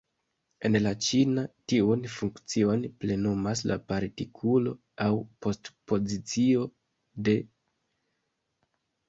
En la ĉina, tiun funkcion plenumas la partikulo, aŭ postpozicio, de.